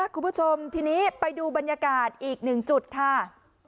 คุณผู้ชมทีนี้ไปดูบรรยากาศอีกหนึ่งจุดค่ะ